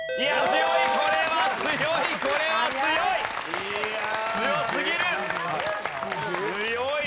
強い。